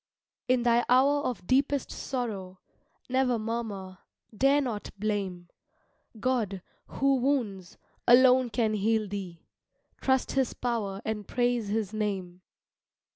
In thy hour of deepest sorrow, Never murmur, dare not blame; God, who wounds, alone can heal thee; Trust his power and praise his name.